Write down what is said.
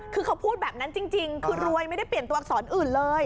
คือเขาพูดแบบนั้นจริงคือรวยไม่ได้เปลี่ยนตัวอักษรอื่นเลย